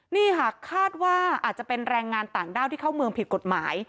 นี่ค่ะคาดว่าอาจจะเป็นแรงงานต่างด้าวที่เข้าเมืองผิดกฎหมาย